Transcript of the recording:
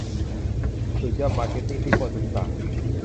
สุดยอดมาร์เก็ตติ้งที่ควรศึกษา